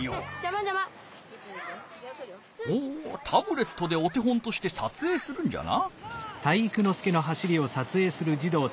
ほうタブレットでお手本としてさつえいするんじゃな。